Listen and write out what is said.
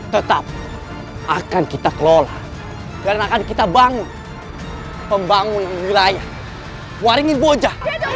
tetap akan kita kelola dan akan kita bangun pembangunan wilayah waringin boja